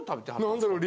何だろう。